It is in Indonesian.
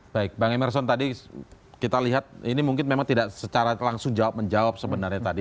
baik bang emerson tadi kita lihat ini mungkin memang tidak secara langsung jawab menjawab sebenarnya tadi